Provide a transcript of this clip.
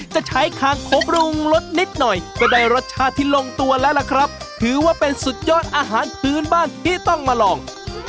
จะใช้คางคบรุงรสนิดหน่อยก็ได้รสชาติที่ลงตัวแล้วล่ะครับถือว่าเป็นสุดยอดอาหารพื้นบ้านที่ต้องมาลอง